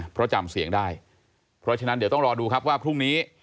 เพราะจำเสียงได้เพราะฉะนั้นเดี๋ยวต้องรอดูครับว่าพรุ่งนี้